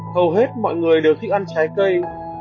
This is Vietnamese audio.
hầu hết mọi người đều thích ăn trái cây